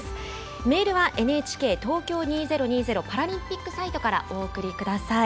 メールはＮＨＫ東京２０２０パラリンピックサイトからお送りください。